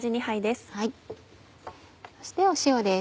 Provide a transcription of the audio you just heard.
そして塩です。